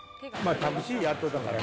タクシーやっとったからな。